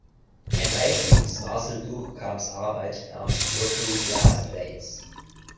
Ein Beispiel ist Marcel Duchamps Arbeit namens "Rotary Glass Plates".